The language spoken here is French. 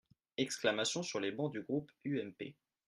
(Exclamations sur les bancs du groupe UMP.